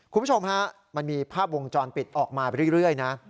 คุณผู้ชมฮะมันมีภาพวงจรปิดออกมาเรื่อยนะ